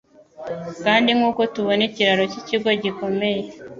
kandi nkuko tubona ikiraro cyikigo gikomeye